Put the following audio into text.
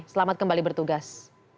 selamat kembali bertugas